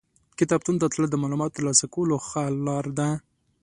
کتابتون ته تلل د معلوماتو ترلاسه کولو ښه لار ده.